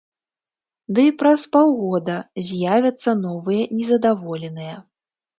Ды і праз паўгода з'явяцца новыя незадаволеныя.